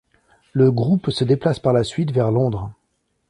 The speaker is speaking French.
Le groupe se déplace par la suite vers Londres.